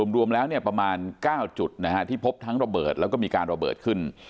รวมแล้วประมาณ๙จุดที่พบทั้งระเบิดแล้วก็มีการระเบิดขึ้น